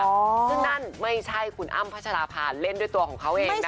ซึ่งนั่นไม่ใช่คุณอ้ำพัชราภาเล่นด้วยตัวของเขาเองนะคะ